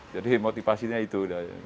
jadi motivasinya itu